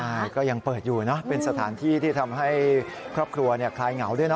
ใช่ก็ยังเปิดอยู่เนอะเป็นสถานที่ที่ทำให้ครอบครัวคลายเหงาด้วยนะ